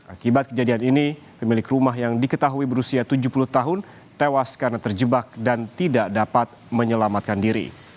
akibat kejadian ini pemilik rumah yang diketahui berusia tujuh puluh tahun tewas karena terjebak dan tidak dapat menyelamatkan diri